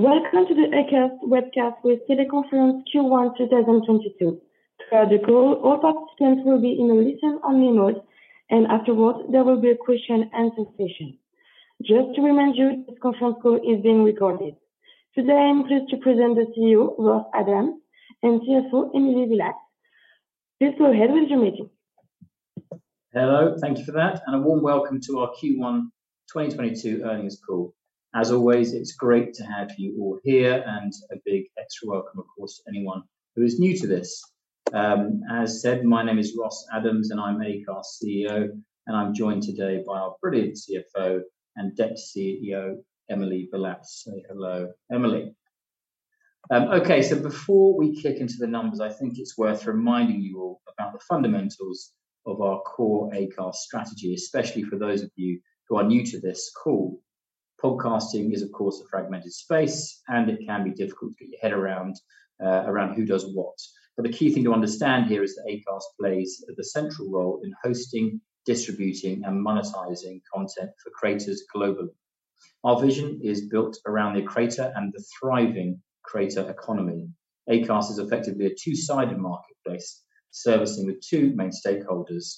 Welcome to the Acast webcast with teleconference Q1 2022. Throughout the call, all participants will be in a listen-only mode, and afterwards there will be a question answer session. Just to remind you, this conference call is being recorded. Today, I am pleased to present the CEO, Ross Adams, and CFO, Emilie Villatte. Please go ahead with your meeting. Hello. Thank you for that. A warm welcome to our Q1 2022 earnings call. As always, it's great to have you all here and a big extra welcome, of course, to anyone who is new to this. As said, my name is Ross Adams, and I'm Acast CEO, and I'm joined today by our brilliant CFO and Deputy CEO, Emilie Villatte. Say hello, Emilie. Before we kick into the numbers, I think it's worth reminding you all about the fundamentals of our core Acast strategy, especially for those of you who are new to this call. Podcasting is, of course, a fragmented space, and it can be difficult to get your head around around who does what. The key thing to understand here is that Acast plays the central role in hosting, distributing, and monetizing content for creators globally. Our vision is built around the creator and the thriving creator economy. Acast is effectively a two-sided marketplace servicing with two main stakeholders.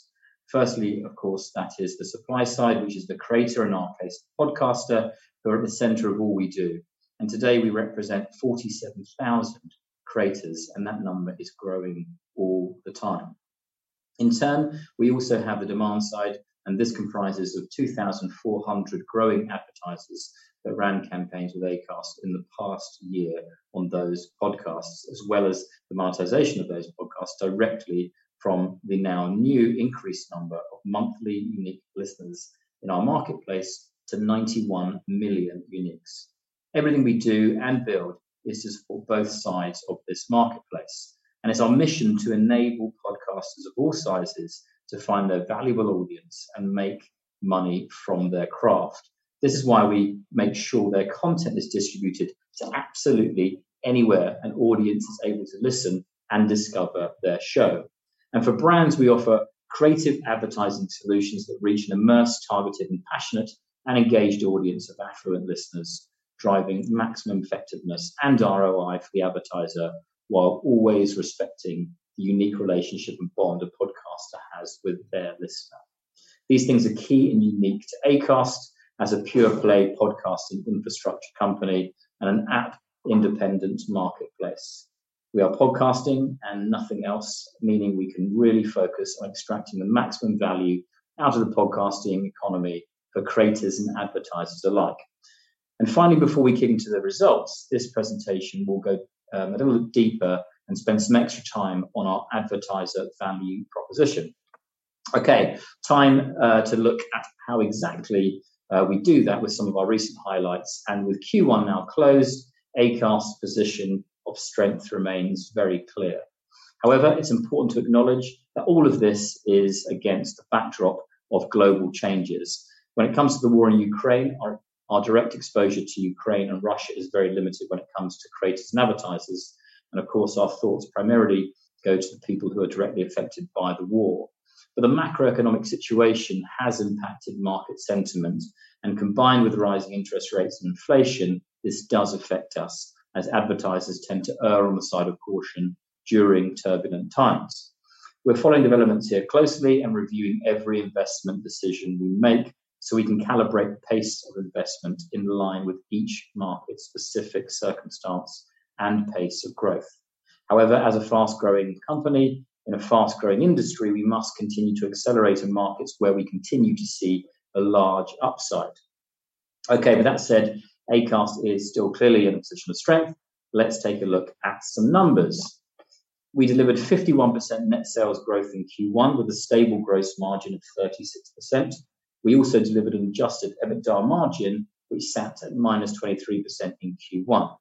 Firstly, of course, that is the supply side, which is the creator, in our case, podcaster, who are at the center of all we do. Today, we represent 47,000 creators, and that number is growing all the time. In turn, we also have the demand side, and this comprises of 2,400 growing advertisers that ran campaigns with Acast in the past year on those podcasts, as well as the monetization of those podcasts directly from the now new increased number of monthly unique listeners in our marketplace to 91 million uniques. Everything we do and build is just for both sides of this marketplace, and it's our mission to enable podcasters of all sizes to find their valuable audience and make money from their craft. This is why we make sure their content is distributed to absolutely anywhere an audience is able to listen and discover their show. For brands, we offer creative advertising solutions that reach an immersive, targeted, and passionate and engaged audience of affluent listeners, driving maximum effectiveness and ROI for the advertiser, while always respecting the unique relationship and bond a podcaster has with their listener. These things are key and unique to Acast as a pure play podcasting infrastructure company and an app-independent marketplace. We are podcasting and nothing else, meaning we can really focus on extracting the maximum value out of the podcasting economy for creators and advertisers alike. Finally, before we get into the results, this presentation will go a little deeper and spend some extra time on our advertiser value proposition. Okay. Time to look at how exactly we do that with some of our recent highlights. With Q1 now closed, Acast position of strength remains very clear. However, it's important to acknowledge that all of this is against the backdrop of global changes. When it comes to the war in Ukraine, our direct exposure to Ukraine and Russia is very limited when it comes to creators and advertisers, and of course, our thoughts primarily go to the people who are directly affected by the war. The macroeconomic situation has impacted market sentiment, and combined with rising interest rates and inflation, this does affect us as advertisers tend to err on the side of caution during turbulent times. We're following developments here closely and reviewing every investment decision we make so we can calibrate the pace of investment in line with each market's specific circumstance and pace of growth. However, as a fast-growing company in a fast-growing industry, we must continue to accelerate in markets where we continue to see a large upside. Okay. With that said, Acast is still clearly in a position of strength. Let's take a look at some numbers. We delivered 51% net sales growth in Q1 with a stable gross margin of 36%. We also delivered an adjusted EBITDA margin, which sat at -23% in Q1.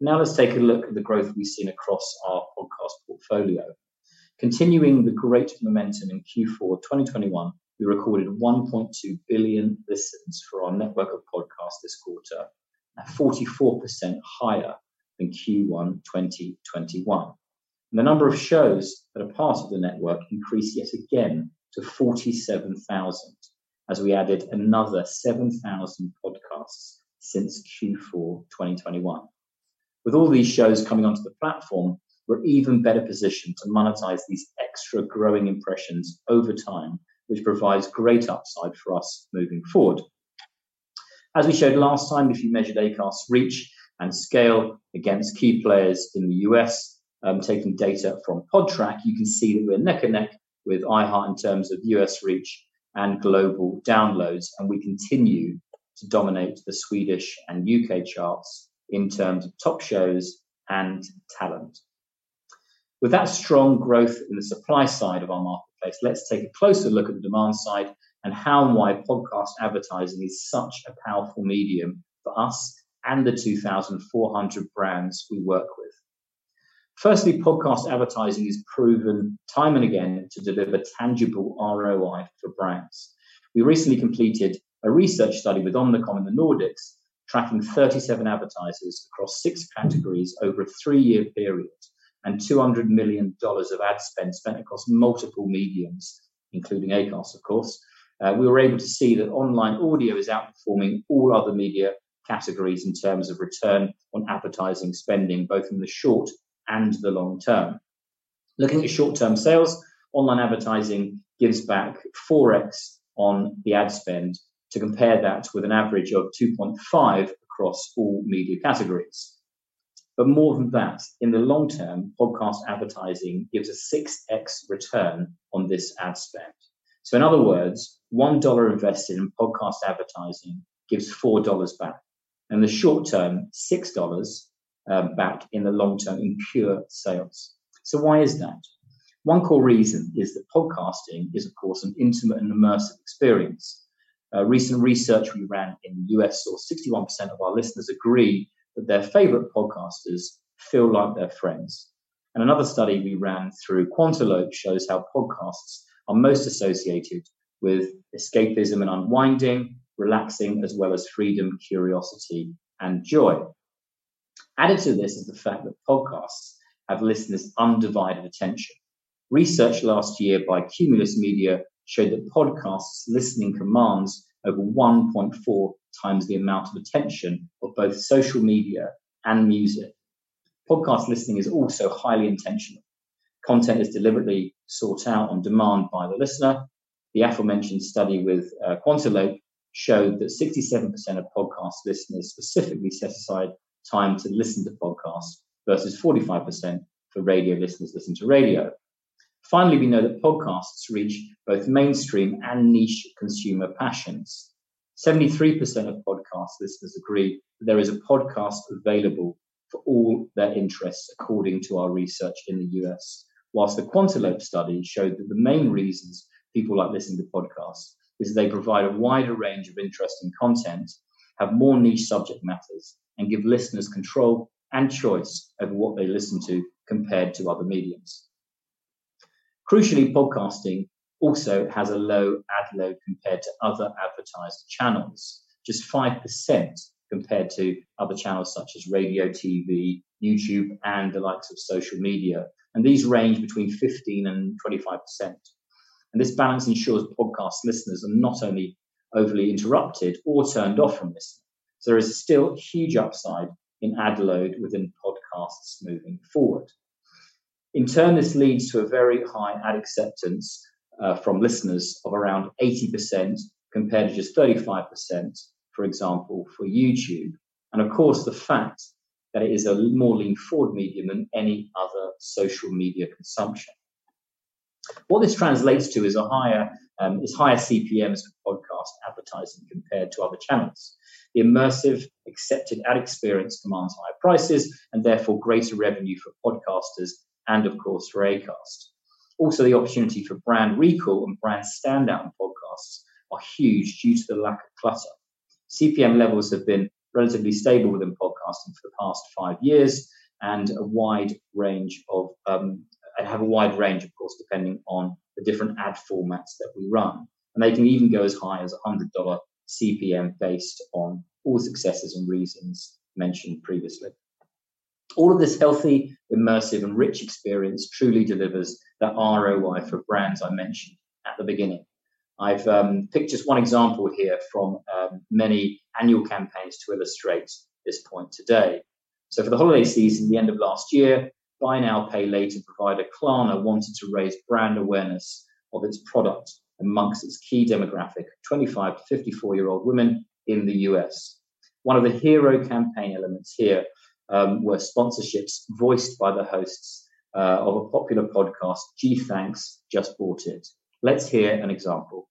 Now let's take a look at the growth we've seen across our podcast portfolio. Continuing the great momentum in Q4 2021, we recorded 1.2 billion listens for our network of podcasts this quarter, at 44% higher than Q1 2021. The number of shows that are part of the network increased yet again to 47,000, as we added another 7,000 podcasts since Q4 2021. With all these shows coming onto the platform, we're even better positioned to monetize these extra growing impressions over time, which provides great upside for us moving forward. As we showed last time, if you measured Acast's reach and scale against key players in the U.S., taking data from Podtrac, you can see that we're neck and neck with iHeart in terms of U.S. reach and global downloads, and we continue to dominate the Swedish and U.K. charts in terms of top shows and talent. With that strong growth in the supply side of our marketplace, let's take a closer look at the demand side and how and why podcast advertising is such a powerful medium for us and the 2,400 brands we work with. Firstly, podcast advertising is proven time and again to deliver tangible ROI for brands. We recently completed a research study with Omnicom in the Nordics, tracking 37 advertisers across six categories over a three year period and $200 million of ad spend spent across multiple mediums, including Acast, of course. We were able to see that online audio is outperforming all other media categories in terms of return on advertising spending, both in the short and the long term. Looking at short-term sales, online advertising gives back 4x on the ad spend to compare that with an average of 2.5 across all media categories. More than that, in the long term, podcast advertising gives a 6x return on this ad spend. In other words, $1 invested in podcast advertising gives $4 back. In the short term, $6 back in the long term in pure sales. Why is that? One core reason is that podcasting is, of course, an intimate and immersive experience. Recent research we ran in the U.S. saw 61% of our listeners agree that their favorite podcasters feel like their friends. Another study we ran through quantilope shows how podcasts are most associated with escapism and unwinding, relaxing, as well as freedom, curiosity, and joy. Added to this is the fact that podcasts have listeners' undivided attention. Research last year by Cumulus Media showed that podcast listening commands over 1.4x the amount of attention of both social media and music. Podcast listening is also highly intentional. Content is deliberately sought out on demand by the listener. The aforementioned study with quantilope showed that 67% of podcast listeners specifically set aside time to listen to podcasts versus 45% for radio listeners listen to radio. Finally, we know that podcasts reach both mainstream and niche consumer passions. 73% of podcast listeners agree that there is a podcast available for all their interests, according to our research in the U.S. While the quantilope study showed that the main reasons people like listening to podcasts is they provide a wider range of interesting content, have more niche subject matters, and give listeners control and choice over what they listen to compared to other media. Crucially, podcasting also has a low ad load compared to other advertised channels. Just 5% compared to other channels such as radio, TV, YouTube, and the likes of social media, and these range between 15%-25%. This balance ensures podcast listeners are not only overly interrupted or turned off from listening. There is still huge upside in ad load within podcasts moving forward. In turn, this leads to a very high ad acceptance from listeners of around 80% compared to just 35%, for example, for YouTube. Of course, the fact that it is a more lean-forward medium than any other social media consumption. What this translates to is higher CPMs for podcast advertising compared to other channels. The immersive accepted ad experience demands higher prices and therefore greater revenue for podcasters and of course for Acast. Also, the opportunity for brand recall and brand standout in podcasts are huge due to the lack of clutter. CPM levels have been relatively stable within podcasting for the past five years and have a wide range, of course, depending on the different ad formats that we run. They can even go as high as $100 CPM based on all the successes and reasons mentioned previously. All of this healthy, immersive, and rich experience truly delivers the ROI for brands I mentioned at the beginning. I've picked just one example here from many annual campaigns to illustrate this point today. For the holiday season the end of last year, buy now, pay later provider Klarna wanted to raise brand awareness of its product among its key demographic, 25- to 54-year-old women in the US. One of the hero campaign elements here were sponsorships voiced by the hosts of a popular podcast, Gee Thanks, Just Bought It!. Let's hear an example.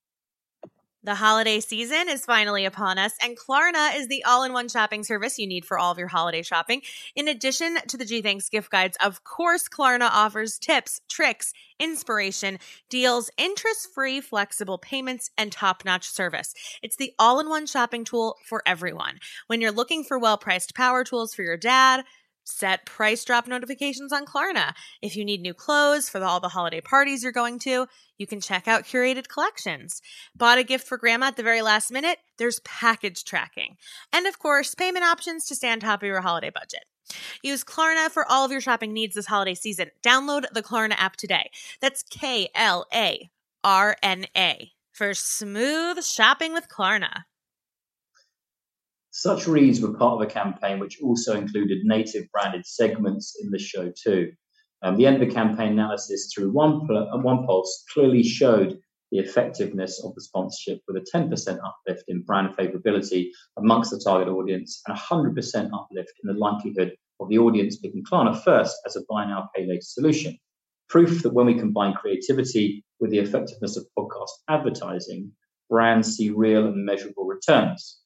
The holiday season is finally upon us, and Klarna is the all-in-one shopping service you need for all of your holiday shopping. In addition to the Gee Thanks, Just Bought It! gift guides, of course, Klarna offers tips, tricks, inspiration, deals, interest-free flexible payments, and top-notch service. It's the all-in-one shopping tool for everyone. When you're looking for well-priced power tools for your dad, set price drop notifications on Klarna. If you need new clothes for all the holiday parties you're going to, you can check out curated collections. Bought a gift for grandma at the very last minute? There's package tracking. And of course, payment options to stay on top of your holiday budget. Use Klarna for all of your shopping needs this holiday season. Download the Klarna app today. That's K-L-A-R-N-A for smooth shopping with Klarna. Such reads were part of a campaign which also included native branded segments in the show too. The end of campaign analysis through OnePulse clearly showed the effectiveness of the sponsorship with a 10% uplift in brand favorability among the target audience, and a 100% uplift in the likelihood of the audience picking Klarna first as a buy now, pay later solution. Proof that when we combine creativity with the effectiveness of podcast advertising, brands see real and measurable returns.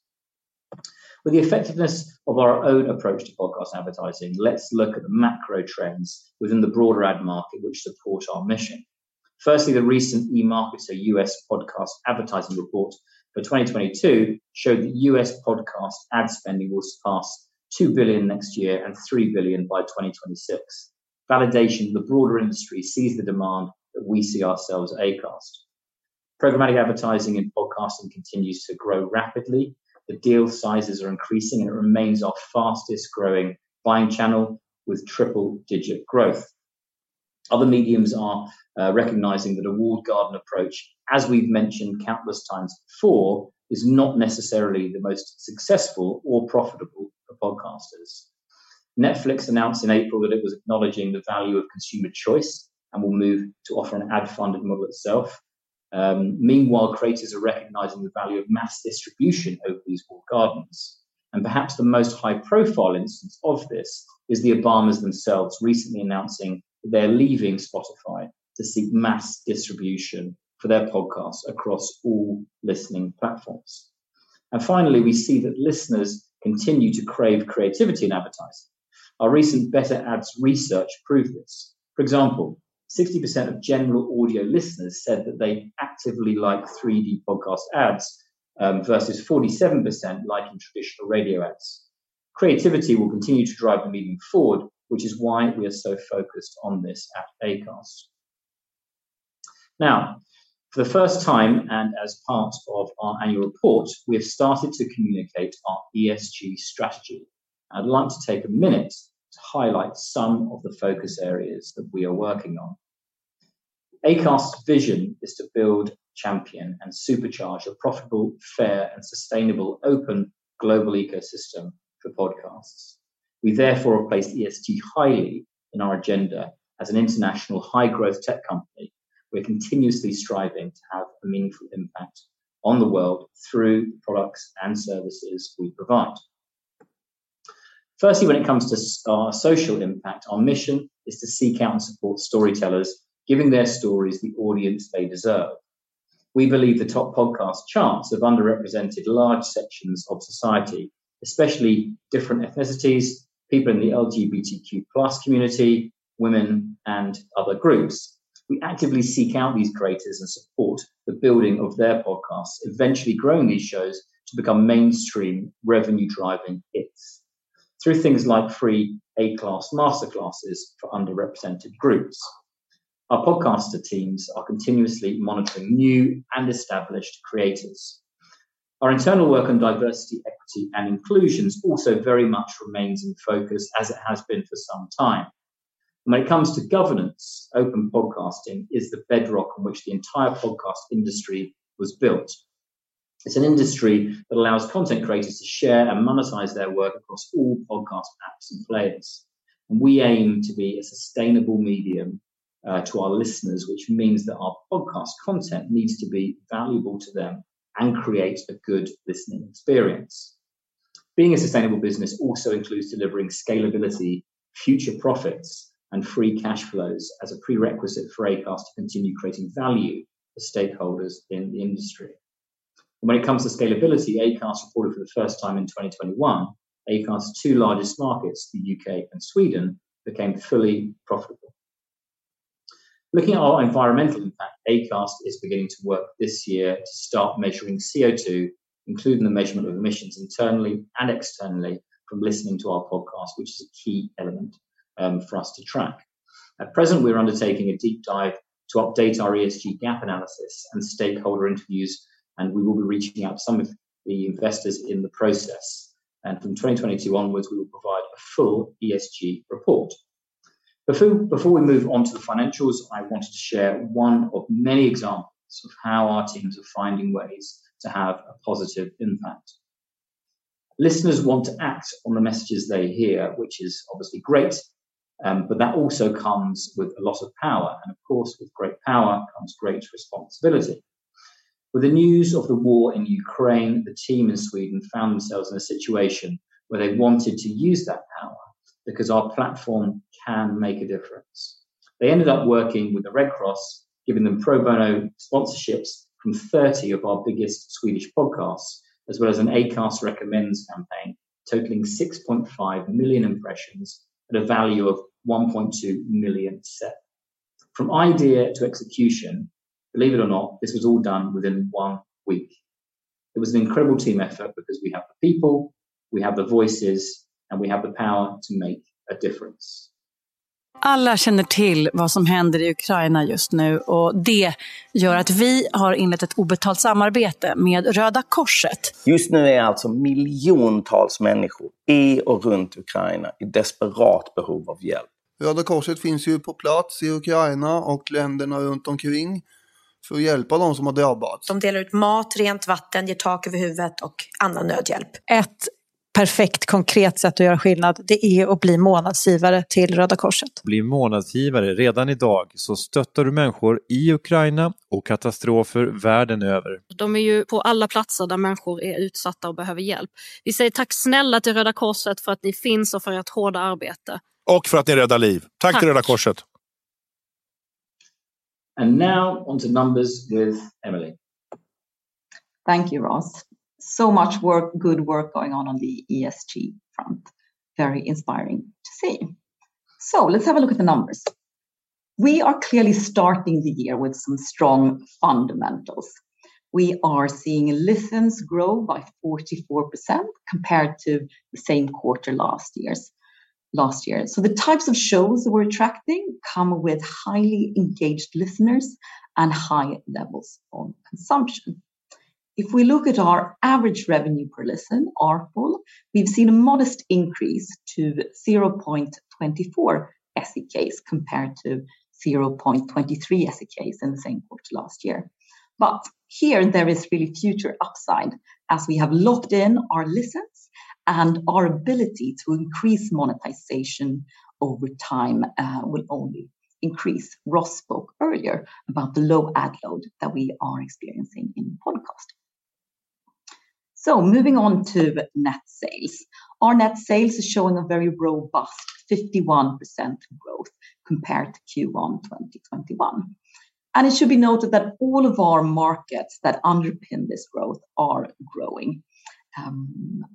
With the effectiveness of our own approach to podcast advertising, let's look at the macro trends within the broader ad market which support our mission. Firstly, the recent eMarketer US Podcast Advertising report for 2022 showed that US podcast ad spending will surpass $2 billion next year and $3 billion by 2026. Validation that the broader industry sees the demand that we see ourselves at Acast. Programmatic advertising in podcasting continues to grow rapidly. The deal sizes are increasing, and it remains our fastest-growing buying channel with triple-digit growth. Other mediums are recognizing that a walled garden approach, as we've mentioned countless times before, is not necessarily the most successful or profitable for podcasters. Netflix announced in April that it was acknowledging the value of consumer choice, and will move to offer an ad-funded model itself. Meanwhile, creators are recognizing the value of mass distribution over these walled gardens. Perhaps the most high-profile instance of this is the Obamas themselves recently announcing they're leaving Spotify to seek mass distribution for their podcast across all listening platforms. Finally, we see that listeners continue to crave creativity in advertising. Our recent Better Ads research proved this. For example, 60% of general audio listeners said that they actively like 3D podcast ads versus 47% liking traditional radio ads. Creativity will continue to drive the medium forward, which is why we are so focused on this at Acast. Now, for the first time, and as part of our annual report, we've started to communicate our ESG strategy. I'd like to take a minute to highlight some of the focus areas that we are working on. Acast's vision is to build, champion, and supercharge a profitable, fair, and sustainable open global ecosystem for podcasts. We therefore have placed ESG highly in our agenda. As an international high-growth tech company, we're continuously striving to have a meaningful impact on the world through products and services we provide. Firstly, when it comes to our social impact, our mission is to seek out and support storytellers, giving their stories the audience they deserve. We believe the top podcast charts have underrepresented large sections of society, especially different ethnicities, people in the LGBTQ+ community, women, and other groups. We actively seek out these creators and support the building of their podcasts, eventually growing these shows to become mainstream revenue-driving hits through things like free Acast masterclasses for underrepresented groups. Our podcaster teams are continuously monitoring new and established creators. Our internal work on diversity, equity, and inclusion also very much remains in focus as it has been for some time. When it comes to governance, open podcasting is the bedrock on which the entire podcast industry was built. It's an industry that allows content creators to share and monetize their work across all podcast apps and players. We aim to be a sustainable medium to our listeners, which means that our podcast content needs to be valuable to them and create a good listening experience. Being a sustainable business also includes delivering scalability, future profits, and free cash flows as a prerequisite for Acast to continue creating value for stakeholders in the industry. When it comes to scalability, Acast reported for the first time in 2021, Acast's two largest markets, the U.K. and Sweden, became fully profitable. Looking at our environmental impact, Acast is beginning to work this year to start measuring CO2, including the measurement of emissions internally and externally from listening to our podcast, which is a key element for us to track. At present, we're undertaking a deep dive to update our ESG gap analysis and stakeholder interviews, and we will be reaching out to some of the investors in the process. From 2022 onwards, we will provide a full ESG report. Before we move on to the financials, I wanted to share one of many examples of how our teams are finding ways to have a positive impact. Listeners want to act on the messages they hear, which is obviously great, but that also comes with a lot of power, and of course, with great power comes great responsibility. With the news of the war in Ukraine, the team in Sweden found themselves in a situation where they wanted to use that power because our platform can make a difference. They ended up working with the Red Cross, giving them pro bono sponsorships from 30 of our biggest Swedish podcasts, as well as an Acast Recommends campaign totaling 6.5 million impressions at a value of 1.2 million. From idea to execution, believe it or not, this was all done within one week. It was an incredible team effort because we have the people, we have the voices, and we have the power to make a difference. Now on to numbers with Emilie. Thank you, Ross. Much work, good work going on on the ESG front. Very inspiring to see. Let's have a look at the numbers. We are clearly starting the year with some strong fundamentals. We are seeing listens grow by 44% compared to the same quarter last year. The types of shows that we're attracting come with highly engaged listeners and high levels of consumption. If we look at our average revenue per listen, ARPL, we've seen a modest increase to 0.24 SEK compared to 0.23 SEK in the same quarter last year. Here there is really future upside as we have locked in our listens and our ability to increase monetization over time, will only increase. Ross spoke earlier about the low ad load that we are experiencing in podcast. Moving on to net sales. Our net sales is showing a very robust 51% growth compared to Q1 2021. It should be noted that all of our markets that underpin this growth are growing.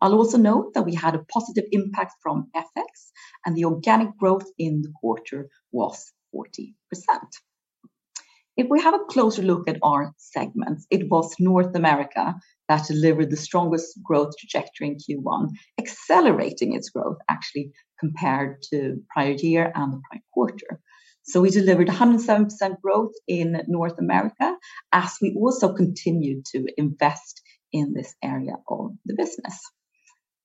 I'll also note that we had a positive impact from FX and the organic growth in the quarter was 40%. If we have a closer look at our segments, it was North America that delivered the strongest growth trajectory in Q1, accelerating its growth actually compared to prior year and the prior quarter. We delivered a 107% growth in North America as we also continued to invest in this area of the business.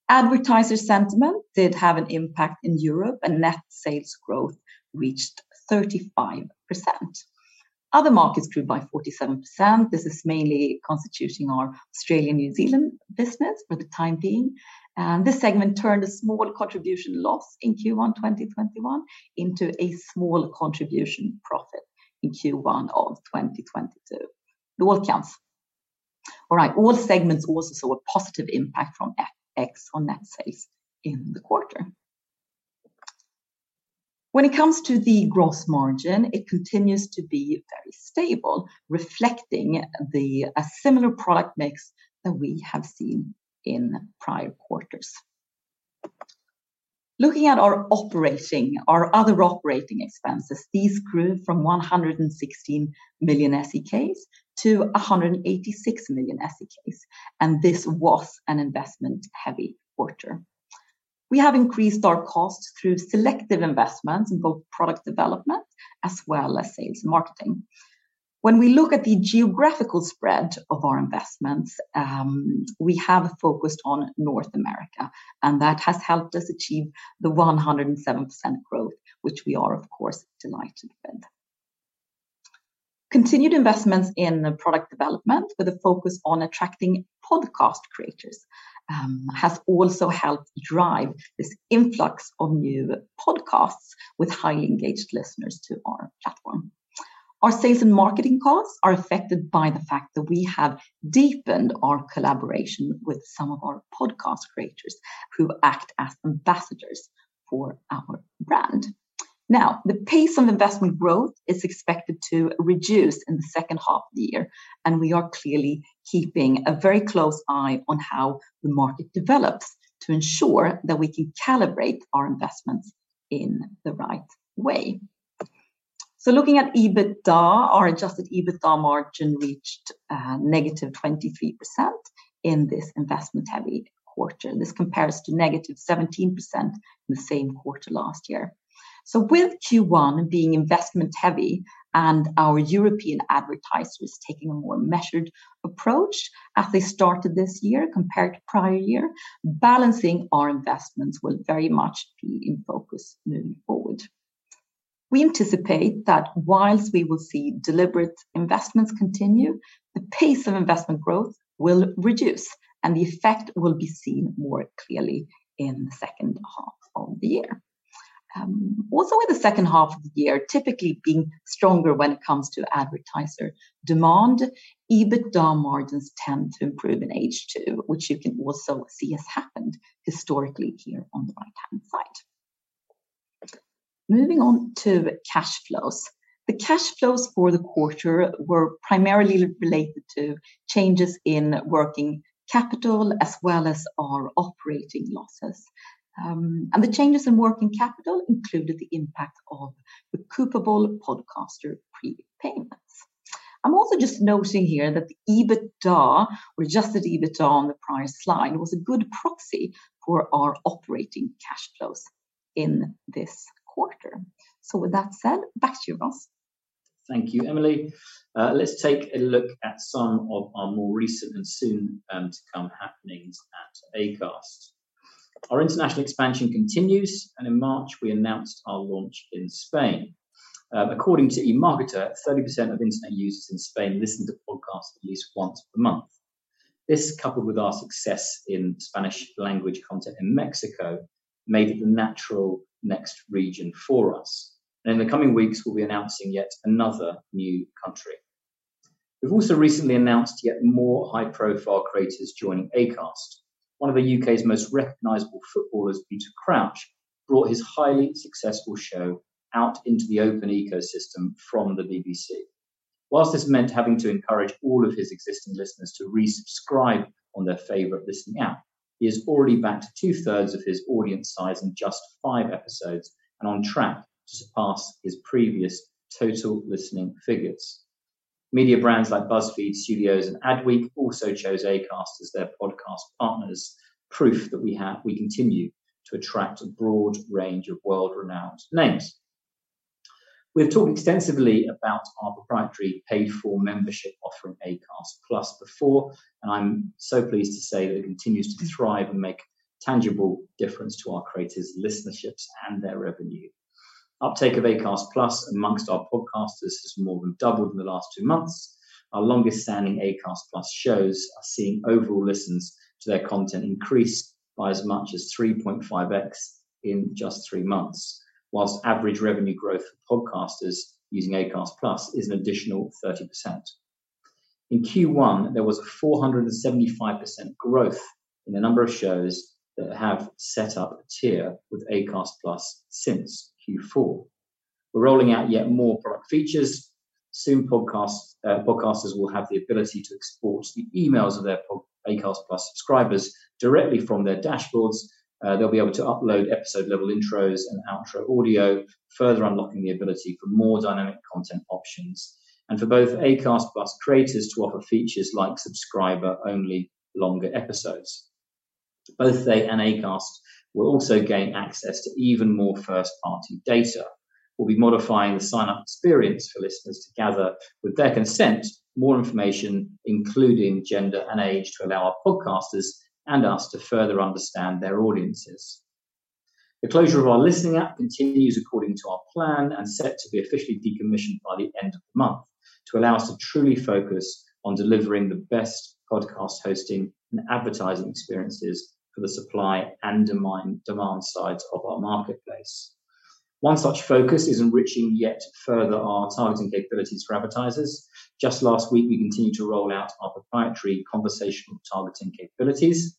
Advertiser sentiment did have an impact in Europe, and net sales growth reached 35%. Other markets grew by 47%. This is mainly constituting our Australian, New Zealand business for the time being. This segment turned a small contribution loss in Q1, 2021 into a small contribution profit in Q1 of 2022. It all counts. All right. All segments also saw a positive impact from FX on net sales in the quarter. When it comes to the gross margin, it continues to be very stable, reflecting a similar product mix that we have seen in prior quarters. Looking at our other operating expenses, these grew from 116 million-186 million SEK, and this was an investment-heavy quarter. We have increased our costs through selective investments in both product development as well as sales and marketing. When we look at the geographical spread of our investments, we have focused on North America, and that has helped us achieve the 107% growth, which we are of course delighted with. Continued investments in the product development with a focus on attracting podcast creators has also helped drive this influx of new podcasts with highly engaged listeners to our platform. Our sales and marketing costs are affected by the fact that we have deepened our collaboration with some of our podcast creators who act as ambassadors for our brand. Now, the pace of investment growth is expected to reduce in the second half of the year, and we are clearly keeping a very close eye on how the market develops to ensure that we can calibrate our investments in the right way. Looking at EBITDA, our adjusted EBITDA margin reached negative 23% in this investment-heavy quarter. This compares to negative 17% in the same quarter last year. With Q1 being investment heavy and our European advertisers taking a more measured approach as they started this year compared to prior year, balancing our investments will very much be in focus moving forward. We anticipate that while we will see deliberate investments continue, the pace of investment growth will reduce, and the effect will be seen more clearly in the second half of the year. Also in the second half of the year, typically being stronger when it comes to advertiser demand, EBITDA margins tend to improve in H2, which you can also see has happened historically here on the right-hand side. Moving on to cash flows. The cash flows for the quarter were primarily related to changes in working capital as well as our operating losses. The changes in working capital included the impact of the accrued podcaster pre-payments. I'm also just noting here that the EBITDA or adjusted EBITDA on the prior slide was a good proxy for our operating cash flows in this quarter. With that said, back to you, Ross. Thank you, Emily. Let's take a look at some of our more recent and soon to come happenings at Acast. Our international expansion continues, and in March, we announced our launch in Spain. According to eMarketer, 30% of internet users in Spain listen to podcasts at least once per month. This, coupled with our success in Spanish language content in Mexico, made it the natural next region for us. In the coming weeks, we'll be announcing yet another new country. We've also recently announced yet more high-profile creators joining Acast. One of the U.K.'s most recognizable footballers, Peter Crouch, brought his highly successful show out into the open ecosystem from the BBC. While this meant having to encourage all of his existing listeners to resubscribe on their favorite listening app, he is already back to 2/3 of his audience size in just five episodes and on track to surpass his previous total listening figures. Media brands like BuzzFeed Studios and Adweek also chose Acast as their podcast partners, proof that we continue to attract a broad range of world-renowned names. We've talked extensively about our proprietary paid for membership offering Acast+ before, and I'm so pleased to say that it continues to thrive and make tangible difference to our creators listenerships and their revenue. Uptake of Acast+ among our podcasters has more than doubled in the last two months. Our longest standing Acast+ shows are seeing overall listens to their content increase by as much as 3.5x in just three months. While average revenue growth for podcasters using Acast+ is an additional 30%. In Q1, there was a 475% growth in the number of shows that have set up a tier with Acast+ since Q4. We're rolling out yet more product features. Soon podcasters will have the ability to export the emails of their Acast+ subscribers directly from their dashboards. They'll be able to upload episode level intros and outro audio, further unlocking the ability for more dynamic content options. For both Acast+ creators to offer features like subscriber-only longer episodes. Both they and Acast will also gain access to even more first-party data. We'll be modifying the sign-up experience for listeners to gather, with their consent, more information, including gender and age, to allow our podcasters and us to further understand their audiences. The closure of our listening app continues according to our plan and set to be officially decommissioned by the end of the month to allow us to truly focus on delivering the best podcast hosting and advertising experiences for the supply and demand sides of our marketplace. One such focus is enriching yet further our targeting capabilities for advertisers. Just last week, we continued to roll out our proprietary conversational targeting capabilities.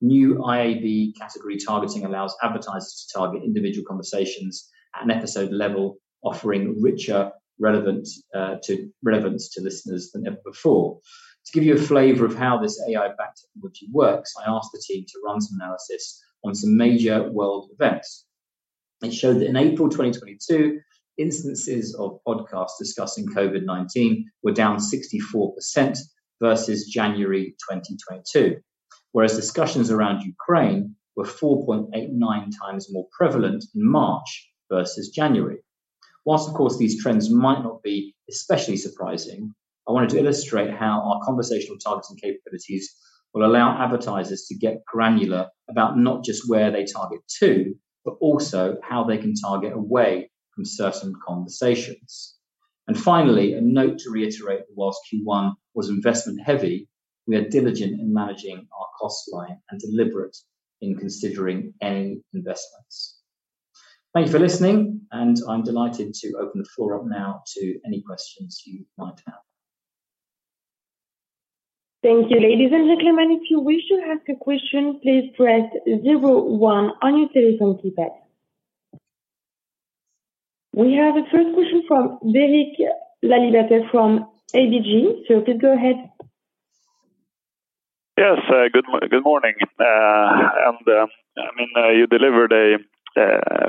New IAB category targeting allows advertisers to target individual conversations at an episode level, offering richer relevance to listeners than ever before. To give you a flavor of how this AI-backed technology works, I asked the team to run some analysis on some major world events. It showed that in April 2022, instances of podcasts discussing COVID-19 were down 64% versus January 2022. Whereas discussions around Ukraine were 4.89x more prevalent in March versus January. While, of course, these trends might not be especially surprising, I wanted to illustrate how our conversational targeting capabilities will allow advertisers to get granular about not just where they target to, but also how they can target away from certain conversations. Finally, a note to reiterate that while Q1 was investment-heavy, we are diligent in managing our cost line and deliberate in considering any investments. Thank you for listening, and I'm delighted to open the floor up now to any questions you might have. Thank you. Ladies and gentlemen, if you wish to ask a question, please press zero one on your telephone keypad. We have the first question from Derek Laliberté from ABG. Please go ahead. Yes, good morning. I mean, you delivered a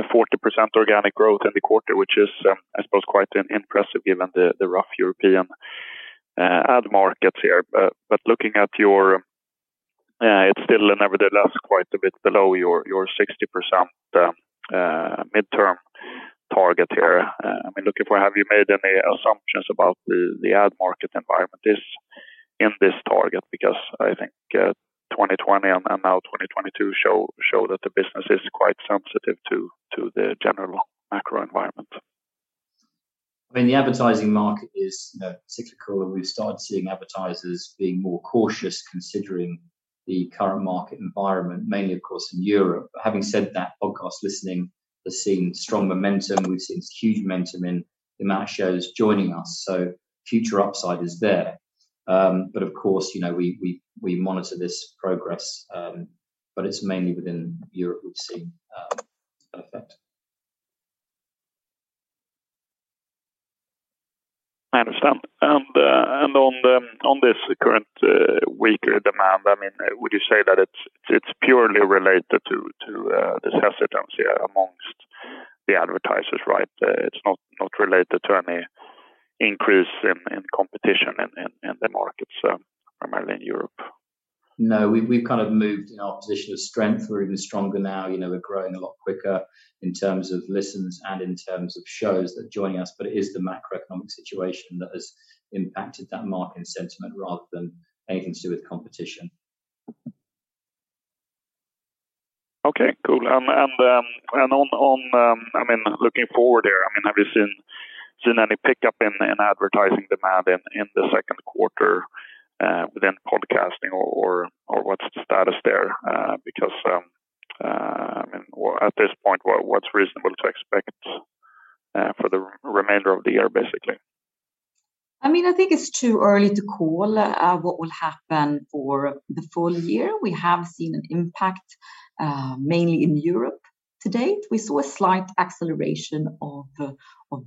40% organic growth in the quarter, which is, I suppose quite impressive given the rough European ad markets here. Looking at your, it's still nevertheless quite a bit below your 60% midterm target here. I mean, looking forward, have you made any assumptions about the ad market environment in this target? Because I think, 2020 and now 2022 show that the business is quite sensitive to the general macro environment. I mean, the advertising market is, you know, cyclical, and we've started seeing advertisers being more cautious considering the current market environment, mainly of course in Europe. Having said that, podcast listening has seen strong momentum. We've seen huge momentum in the amount of shows joining us, so future upside is there. Of course, you know, we monitor this progress, but it's mainly within Europe we've seen that effect. I understand. On this current weaker demand, I mean, would you say that it's purely related to this hesitancy among the advertisers, right? It's not related to any increase in competition in the markets, primarily in Europe. No. We've kind of moved in our position of strength. We're even stronger now. You know, we're growing a lot quicker in terms of listens and in terms of shows that are joining us. It is the macroeconomic situation that has impacted that market sentiment rather than anything to do with competition. Okay, cool. And on, I mean, looking forward there, I mean, have you seen any pickup in advertising demand in the second quarter within podcasting or what's the status there? Because, I mean, at this point, what's reasonable to expect for the remainder of the year, basically? I mean, I think it's too early to call what will happen for the full year. We have seen an impact mainly in Europe to date. We saw a slight acceleration of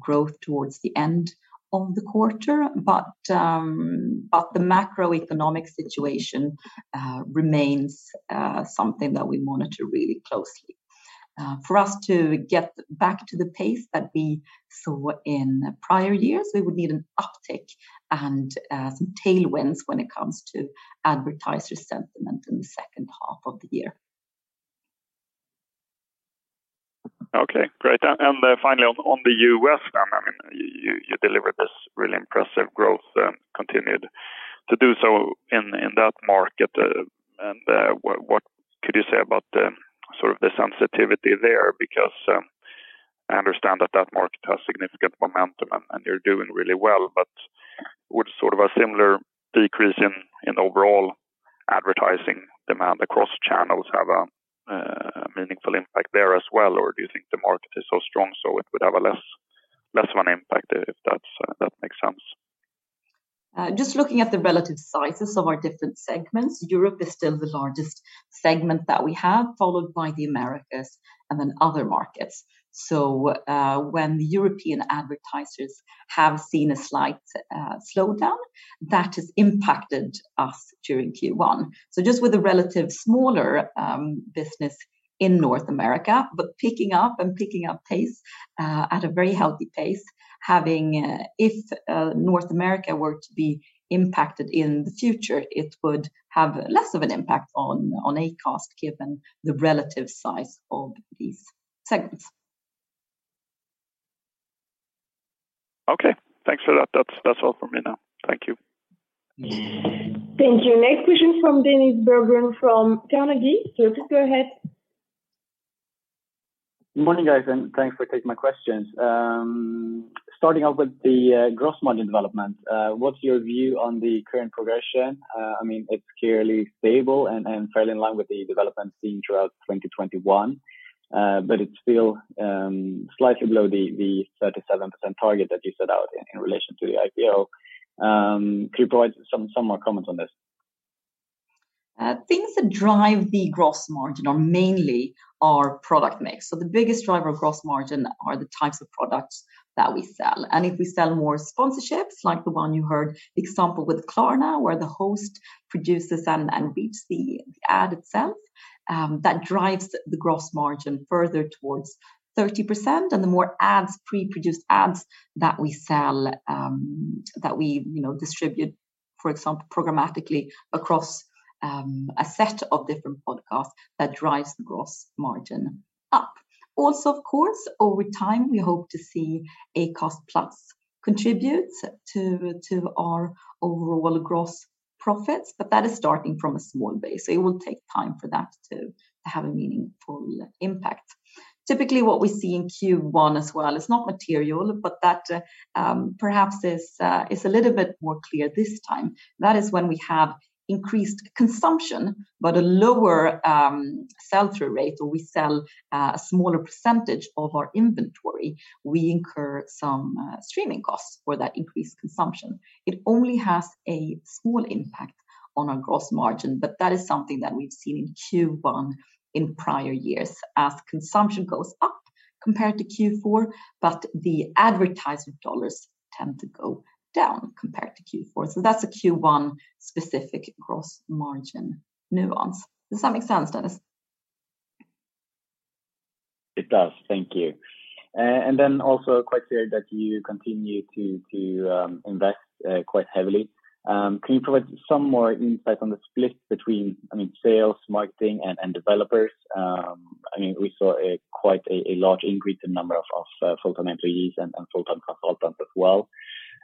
growth towards the end of the quarter, but the macroeconomic situation remains something that we monitor really closely. For us to get back to the pace that we saw in prior years, we would need an uptick and some tailwinds when it comes to advertiser sentiment in the second half of the year. Okay, great. Finally on the U.S. then, I mean, you delivered this really impressive growth, continued to do so in that market. What could you say about sort of the sensitivity there? Because I understand that that market has significant momentum and you're doing really well. Would sort of a similar decrease in overall advertising demand across channels have a meaningful impact there as well? Do you think the market is so strong so it would have a less of an impact if that makes sense? Just looking at the relative sizes of our different segments, Europe is still the largest segment that we have, followed by the Americas and then other markets. When the European advertisers have seen a slight slowdown, that has impacted us during Q1. Just with a relative smaller business in North America, but picking up pace at a very healthy pace. If North America were to be impacted in the future, it would have less of an impact on Acast given the relative size of these segments. Okay, thanks for that. That's all for me now. Thank you. Thank you. Next question from Dennis Berggren from Carnegie. Just go ahead. Good morning, guys, and thanks for taking my questions. Starting out with the gross margin development, what's your view on the current progression? I mean, it's clearly stable and fairly in line with the development seen throughout 2021. It's still slightly below the 37% target that you set out in relation to the IPO. Could you provide some more comments on this? Things that drive the gross margin are mainly our product mix. The biggest driver of gross margin are the types of products that we sell. If we sell more sponsorships, like the one you heard, for example, with Klarna, where the host produces and reads the ad itself, that drives the gross margin further towards 30%. The more pre-produced ads that we sell, you know, distribute, for example, programmatically across a set of different podcasts, that drives the gross margin up. Also, of course, over time, we hope to see Acast+ contribute to our overall gross profits, but that is starting from a small base. It will take time for that to have a meaningful impact. Typically, what we see in Q1 as well, it's not material, but that perhaps is a little bit more clear this time. That is when we have increased consumption, but a lower sell-through rate, or we sell a smaller percentage of our inventory, we incur some streaming costs for that increased consumption. It only has a small impact on our gross margin, but that is something that we've seen in Q1 in prior years as consumption goes up compared to Q4, but the advertisement dollars tend to go down compared to Q4. That's a Q1 specific gross margin nuance. Does that make sense, Dennis? It does. Thank you. Then also quite clear that you continue to invest quite heavily. Can you provide some more insight on the split between, I mean, sales, marketing, and developers? I mean, we saw quite a large increase in number of full-time employees and full-time consultants as well.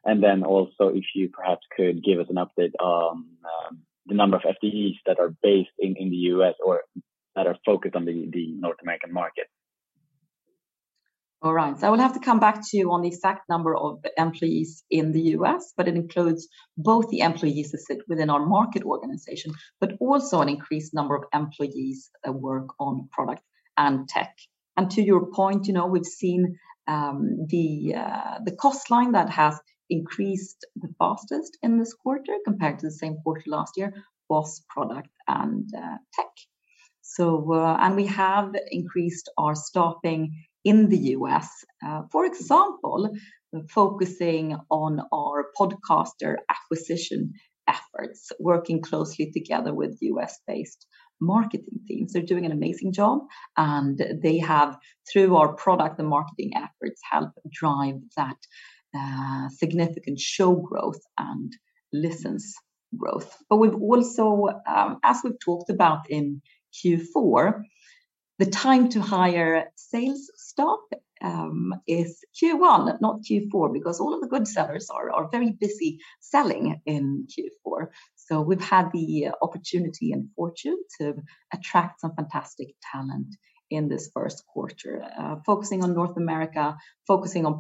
Then also if you perhaps could give us an update on the number of FTEs that are based in the US or that are focused on the North American market. All right. I will have to come back to you on the exact number of employees in the U.S., but it includes both the employees that sit within our market organization, but also an increased number of employees that work on product and tech. To your point, you know, we've seen the cost line that has increased the fastest in this quarter compared to the same quarter last year, was product and tech. We have increased our staffing in the U.S., for example, focusing on our podcaster acquisition efforts, working closely together with U.S.-based marketing teams. They're doing an amazing job, and they have, through our product and marketing efforts, helped drive that significant show growth and listens growth. We've also, as we've talked about in Q4, the time to hire sales staff is Q1, not Q4, because all of the good sellers are very busy selling in Q4. We've had the opportunity and fortune to attract some fantastic talent in this first quarter, focusing on North America, focusing on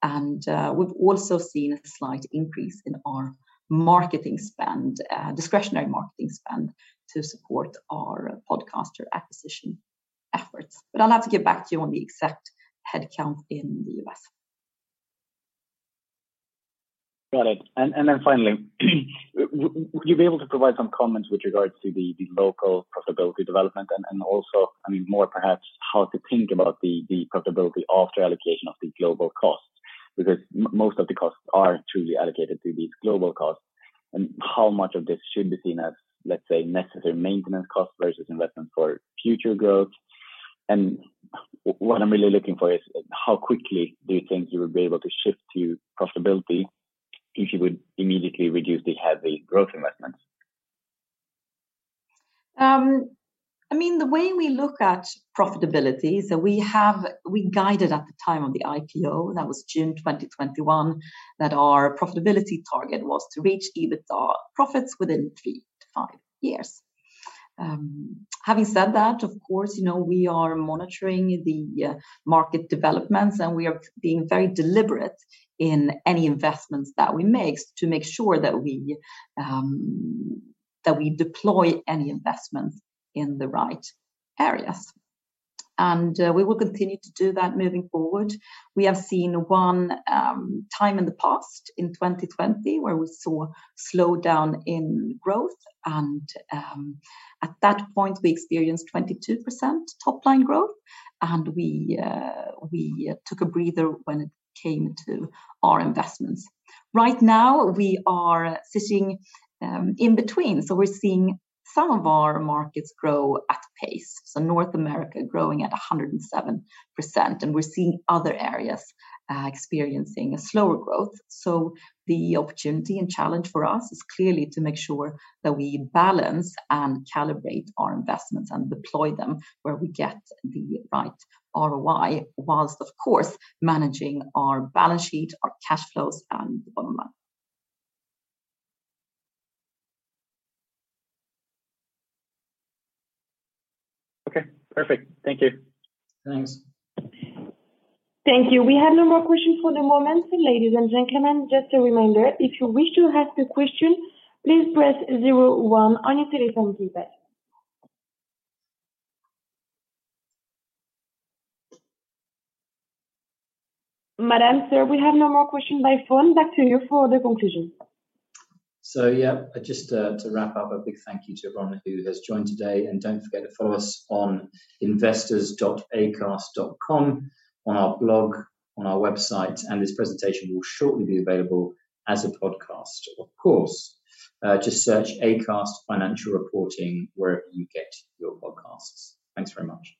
product and tech. We've also seen a slight increase in our marketing spend, discretionary marketing spend to support our podcaster acquisition efforts. I'll have to get back to you on the exact headcount in the U.S. Got it. And then finally, would you be able to provide some comments with regards to the local profitability development and also, I mean, more perhaps how to think about the profitability after allocation of the global costs? Because most of the costs are truly allocated to these global costs. How much of this should be seen as, let's say, necessary maintenance costs versus investment for future growth? What I'm really looking for is how quickly do you think you will be able to shift to profitability if you would immediately reduce the heavy growth investments? I mean, the way we look at profitability, so we guided at the time of the IPO, that was June 2021, that our profitability target was to reach EBITDA profits within three to five years. Having said that, of course, you know, we are monitoring the market developments, and we are being very deliberate in any investments that we make to make sure that we deploy any investments in the right areas. We will continue to do that moving forward. We have seen one time in the past in 2020 where we saw slowdown in growth, and at that point we experienced 22% top line growth, and we took a breather when it came to our investments. Right now we are sitting in between. We're seeing some of our markets grow at pace, so North America growing at 107%, and we're seeing other areas, experiencing a slower growth. The opportunity and challenge for us is clearly to make sure that we balance and calibrate our investments and deploy them where we get the right ROI while of course managing our balance sheet, our cash flows and the bottom line. Okay, perfect. Thank you. Thanks. Thank you. We have no more questions for the moment. Ladies and gentlemen, just a reminder, if you wish to ask a question, please press zero one on your telephone keypad. Madam, sir, we have no more question by phone. Back to you for the conclusion. To wrap up, a big thank you to everyone who has joined today, and don't forget to follow us on investors.acast.com, on our blog, on our website, and this presentation will shortly be available as a podcast, of course. Just search Acast Financial Reporting wherever you get your podcasts. Thanks very much.